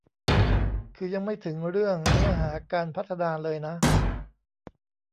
คือยังไม่ถึงเรื่องเนื้อหาการพัฒนาเลยนะ